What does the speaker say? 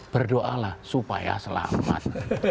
berdoa lah supaya selamat